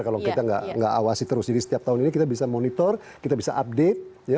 kalau kita nggak awasi terus jadi setiap tahun ini kita bisa monitor kita bisa update